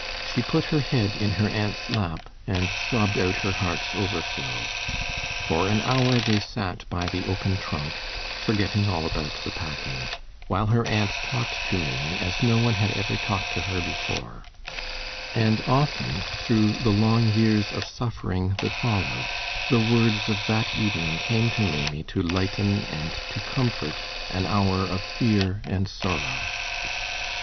She put her head in her aunt's lap and sobbed out her heart's overflow. For an hour they sat by the open trunk, forgetting all about the packing, while her aunt talked to Maimie as no one had ever talked to her before; and often, through the long years of suffering that followed, the words of that evening came to Maimie to lighten and to comfort an hour of fear and sorrow.